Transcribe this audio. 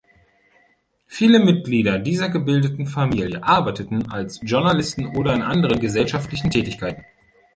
Viele Mitglieder der gebildeten Familie arbeiteten als Journalisten oder in anderen gesellschaftlichen Tätigkeiten.